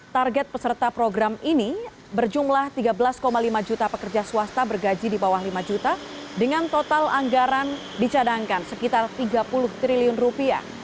target peserta program ini berjumlah tiga belas lima juta pekerja swasta bergaji di bawah lima juta dengan total anggaran dicadangkan sekitar tiga puluh triliun rupiah